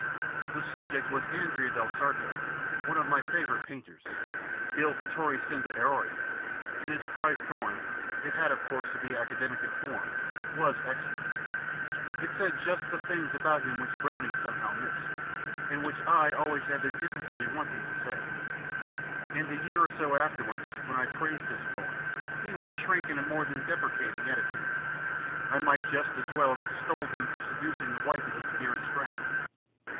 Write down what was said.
The subject was Andrea del Sarto, one of my favourite painters il pittore senza errore and his prize poem it had, of course, to be academic in form was excellent. It said just the things about him which Browning somehow missed, and which I had always been impotently wanting to say. And a year or so afterwards when I praised his poem he would shrink in a more than deprecating attitude: I might just as well have extolled him for seducing the wife of his dearest friend.